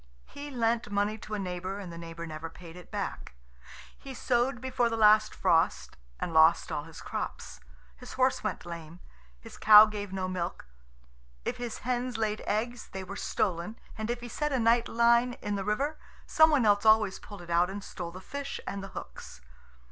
He lent money to a neighbour, and the neighbour never paid it back. He sowed before the last frost, and lost all his crops. His horse went lame. His cow gave no milk. If his hens laid eggs, they were stolen; and if he set a night line in the river, some one else always pulled it out and stole the fish and the hooks.